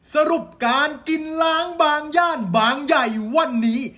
สรุปการกินล้างบางย่านบางใหญ่วันนี้